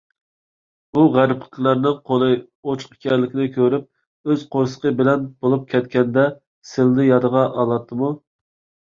ئۇ غەربلىكلەرنىڭ قولى ئوچۇق ئىكەنلىكىنى كۆرۈپ، ئۆز قورسىقى بىلەن بولۇپ كەتكەندە سىلىنى يادىغا ئالاتتىمۇ؟